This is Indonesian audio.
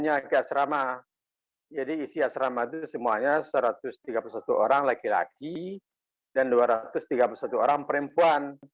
punya ke asrama jadi isi asrama itu semuanya satu ratus tiga puluh satu orang laki laki dan dua ratus tiga puluh satu orang perempuan